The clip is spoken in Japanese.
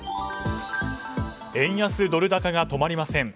円安ドル高が止まりません。